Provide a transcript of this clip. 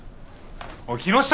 おい木下。